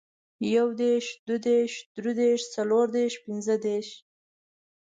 يو دېرش، دوه دېرش، دري دېرش ، څلور دېرش، پنځه دېرش،